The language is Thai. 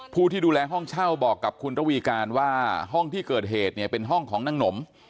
ผู้ที่ดูแลห้องเช่าบอกกับคุณระวีการว่าห้องที่เกิดเหตุเนี่ยเป็นห้องของนางหนม